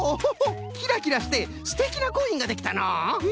キラキラしてステキなコインができたのう！